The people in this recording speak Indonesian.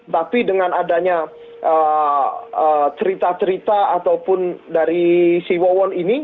tapi dengan adanya cerita cerita ataupun dari si wawon ini